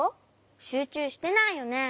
しゅうちゅうしてないよね？